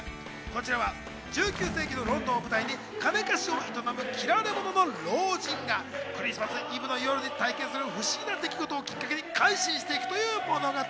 こちらは１９世紀のロンドンを舞台に金貸しを営む嫌われ者の老人がクリスマスイブの夜に体験する不思議な出来事をきっかけに改心していくという物語。